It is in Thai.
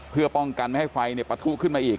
เพื่อป้องกันไม่ให้ไฟปะทุขึ้นมาอีก